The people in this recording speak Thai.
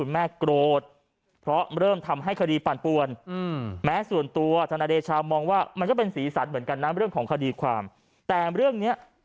ไม่ปลื้ม๑๐๐เลย